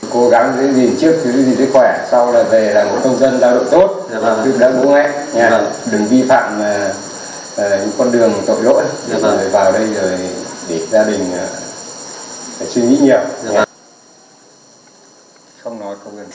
cố gắng để nhìn trước để nhìn thấy khỏe sau là về là một công dân lao động tốt đừng vi phạm những con đường tội lỗi để vào đây để gia đình suy nghĩ nhiều